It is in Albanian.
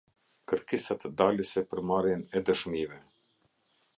Kërkesat dalëse për marrjen e dëshmive.